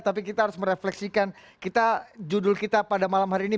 tapi kita harus merefleksikan judul kita pada malam hari ini